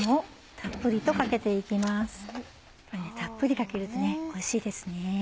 たっぷりかけるとおいしいですね。